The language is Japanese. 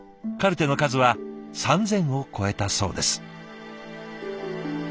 カルテの数は３，０００を超えたそうです。